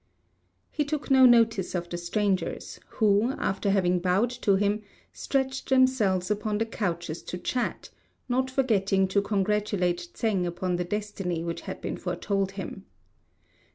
He took no notice of the strangers, who, after having bowed to him, stretched themselves upon the couches to chat, not forgetting to congratulate Tsêng upon the destiny which had been foretold him.